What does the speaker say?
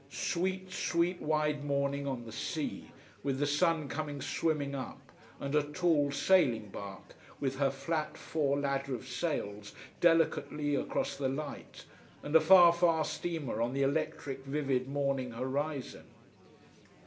Sweet, sweet wide morning on the sea, with the sun coming, swimming up, and a tall sailing bark, with her flat fore ladder of sails delicately across the light, and a far far steamer on the electric vivid morning horizon.